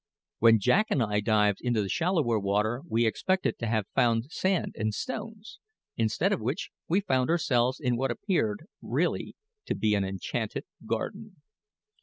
When Jack and I dived into shallower water we expected to have found sand and stones, instead of which we found ourselves in what appeared really to be an enchanted garden.